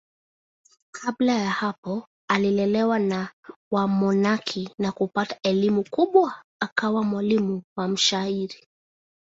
Kabla ya hapo alilelewa na wamonaki na kupata elimu kubwa akawa mwalimu na mshairi.